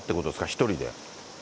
１人で？